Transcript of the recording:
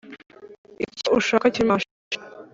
Icyo ushaka kimashe.